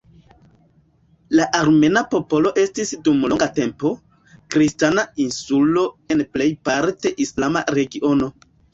La armena popolo estis dum longa tempo, kristana "insulo" en plejparte islama regiono.